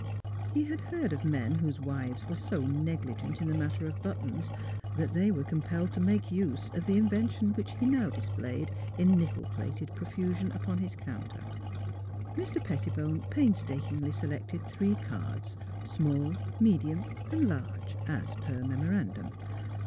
He had heard of men whose wives were so negligent in the matter of buttons that they were compelled to make use of the invention which he now displayed in nickel plated profusion upon his counter. Mr. Pettibone painstakingly selected three cards, small, medium, and large, as per memo randum.